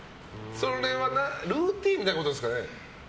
それはルーティンみたいなことですかね。